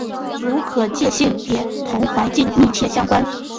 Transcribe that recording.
如可见性也同环境密切相关。